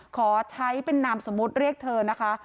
ขอใช้เป็นนามสมมุติเรียกเธอนะคะ